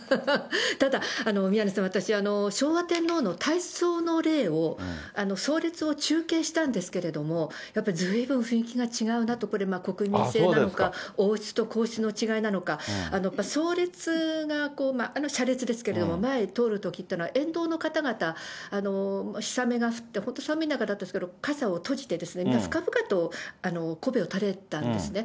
ただ、宮根さん、私、昭和天皇の大喪の礼を、葬列を中継したんですけれども、やっぱりずいぶん雰囲気が違うなと、これ、国民性なのか、王室と皇室の違いなのか、やっぱり葬列が車列ですけれども、前を通るときというのは、沿道の方々、氷雨が降って、寒い日だったと思うんですけれども、傘を閉じて、皆、深々とこうべを垂れたんですね。